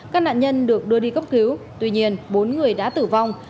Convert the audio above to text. các nạn nhân được đưa đi cấp cứu tuy nhiên bốn người đã tử vong